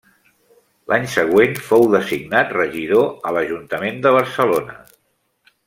L'any següent fou designat regidor a l'Ajuntament de Barcelona.